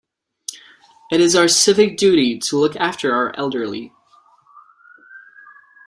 It is our civic duty to look after our elderly.